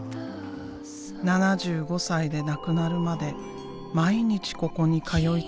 ７５歳で亡くなるまで毎日ここに通い続けた。